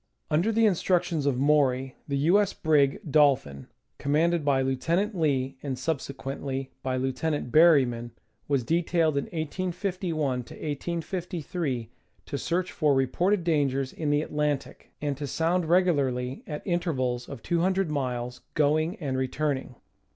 Under the instructions of Maury the U. S. brig Dolphin, com manded by Lieutenant Lee, and subsequently by Lieutenant Berry man, was detailed in 1851 3 to search for reported dangers in the Atlantic, and to sound regularly at intervals of 200 miles going and returning.